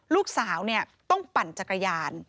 ลูกสาวต้องปั่นจักรยาน